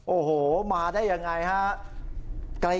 โอ้โหมาได้ยังไงครับ